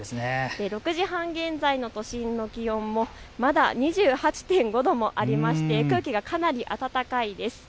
６時半現在の都心の気温もまだ２８．５度もありまして空気がかなり暖かいです。